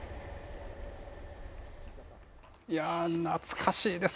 いやー、懐かしいです。